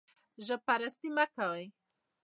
ژب پرستي مه کوئ